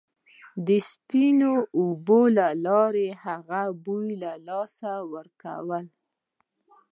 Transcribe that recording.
سپیو د اوبو له لارې د هغه بوی له لاسه ورکړ